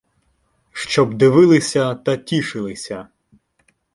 Щоб дивилися та "тішилися".